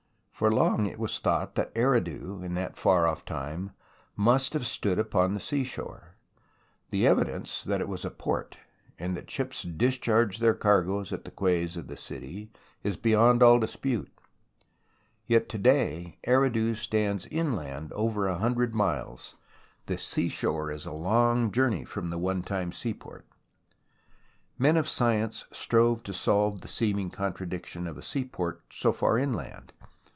For long it was thought that Eridu in that far off time must have stood upon the seashore. The evidence that it was a port, and that ships dis charged their cargoes at the quays of the city, is J 49 150 THE ROMANCE OF EXCAVATION beyond all dispute. Yet to day Eridu stands inland over a hundred miles — the seashore is a long journey from the one time seaport. Men of science strove to solve the seeming contra diction of a seaport so far inland.